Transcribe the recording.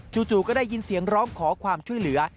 จู่ก็ได้ยินเสียงร้องขอความช่วยเหลือ